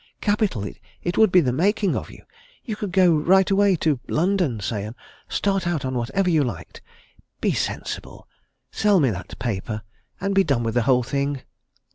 Capital! It would be the making of you. You could go right away to London, say, and start out on whatever you liked. Be sensible sell me that paper and be done with the whole thing."